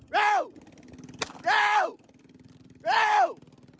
เร็วเร็วเร็ว